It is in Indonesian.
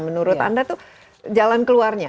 menurut anda itu jalan keluarnya